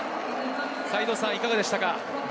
斉藤さん、いかがでしたか？